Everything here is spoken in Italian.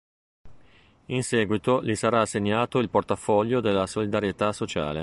In seguito gli sarà assegnato il portafoglio della Solidarietà sociale.